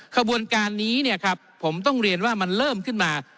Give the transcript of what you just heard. ขบวนการนี้ผมต้องเรียนว่ามันเริ่มขึ้นมา